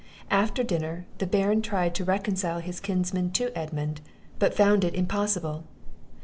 After dinner, the Baron tried to reconcile his kinsmen to Edmund; but found it impossible.